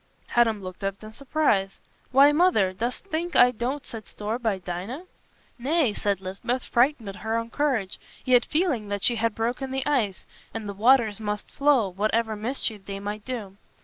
Adam looked up in surprise. "Why, Mother, dost think I don't set store by Dinah?" "Nay," said Lisbeth, frightened at her own courage, yet feeling that she had broken the ice, and the waters must flow, whatever mischief they might do.